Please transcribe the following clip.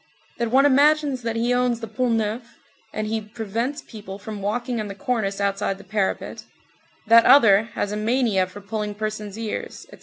That one imagines that he owns the Pont Neuf, and he prevents people from walking on the cornice outside the parapet; that other has a mania for pulling person's ears; etc.